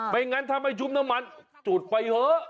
งั้นถ้าไม่ชุบน้ำมันจุดไปเถอะ